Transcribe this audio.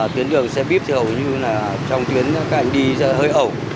tuyến đường xe buýt hầu như là trong tuyến cạnh đi hơi ẩu